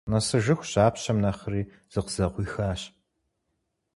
Нэсыжыху жьапщэм нэхъри зыкъызэкъуихащ.